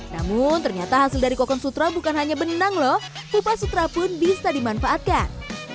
namun ternyata hasil dari kokon sutra bukan hanya benang loh kupa sutra pun bisa dimanfaatkan